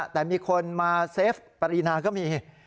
แต่มีคนมาเซฟปรินาก็มี